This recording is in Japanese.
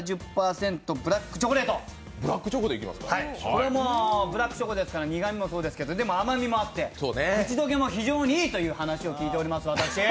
これはもう、ブラックチョコですから苦みもそうですけどでも甘みもあって、口溶けも非常にいいと聞いております、私。